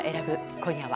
今夜は。